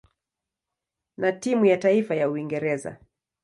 na timu ya taifa ya Uingereza.